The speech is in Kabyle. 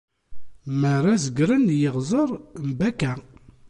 Mi ara zegren i yiɣẓer n Baka.